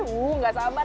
wuh gak sabar